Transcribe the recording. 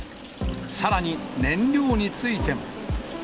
さらに燃料についても。